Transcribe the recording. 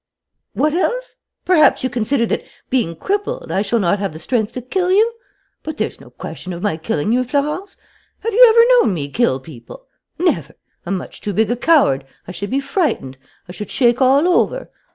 "What else? Perhaps you consider that, being crippled, I shall not have the strength to kill you? But there's no question of my killing you, Florence. Have you ever known me kill people? Never! I'm much too big a coward, I should be frightened, I should shake all over.